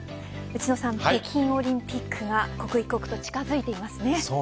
内野さん北京オリンピックが刻一刻と近づいていますね。